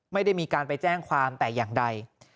ไม่ได้มีการไปแจ้งความแต่อย่างใด